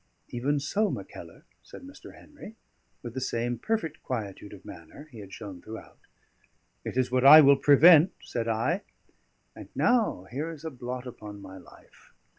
"Even so, Mackellar," said Mr. Henry, with the same perfect quietude of manner he had shown throughout. "It is what I will prevent," said I. And now here is a blot upon my life.